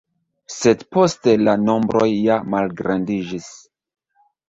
Sed poste la nombroj ja malgrandiĝis.